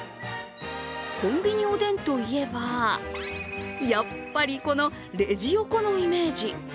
コンビニおでんといえば、やっぱりこのレジ横のイメージ。